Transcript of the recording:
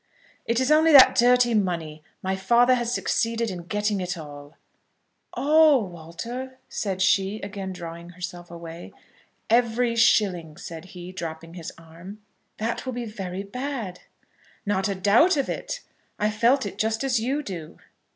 "It is only that dirty money. My father has succeeded in getting it all." "All, Walter?" said she, again drawing herself away. "Every shilling," said he, dropping his arm. "That will be very bad." "Not a doubt of it. I felt it just as you do."